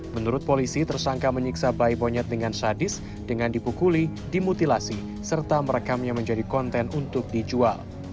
menurut polisi tersangka menyiksa bayi monyet dengan sadis dengan dipukuli dimutilasi serta merekamnya menjadi konten untuk dijual